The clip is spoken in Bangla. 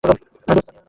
দ্রুত চালিয়ো না।